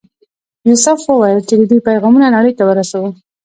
یوسف وویل چې د دوی پیغامونه نړۍ ته ورسوو.